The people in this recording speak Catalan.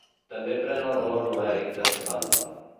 També pren el valor numèric de setanta.